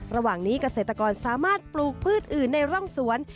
ระหว่างนี้เกษตรกรสามารถปลูกพืชอื่นในร่องสวน